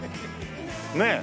ねえ。